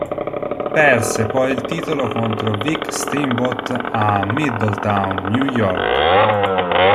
Perse poi il titolo contro Vic Steamboat a Middletown, New York.